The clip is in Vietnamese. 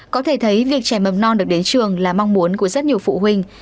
có thể thấy việc trẻ mầm non được đến trường là mong muốn của rất nhiều phụ huynh